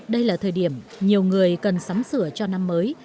đây là thời điểm nhiều người cần sắm sửa cho năm mới